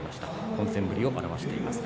混戦ぶりを表しています。